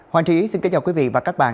hoàng trí xin kính chào quý vị và các bạn